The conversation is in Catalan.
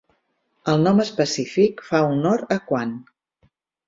El nom específic fa honor a Kuan.